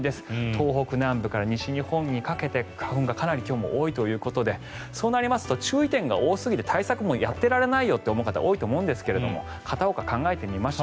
東北南部から西日本にかけて花粉がかなり今日も多いということでそうなりますと注意点が多すぎて対策もやってられないよと思う方も多いと思うんですけど片岡、考えてみました。